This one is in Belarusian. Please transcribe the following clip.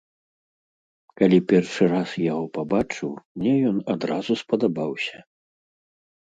Калі першы раз яго пабачыў, мне ён адразу спадабаўся.